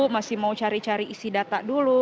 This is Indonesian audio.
masih mau cari cari isi data dulu